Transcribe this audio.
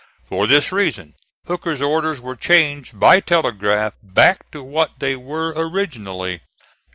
For this reason Hooker's orders were changed by telegraph back to what they were originally.